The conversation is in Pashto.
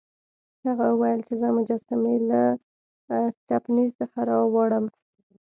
هغه وویل چې زه مجسمې له سټپني څخه راوړم.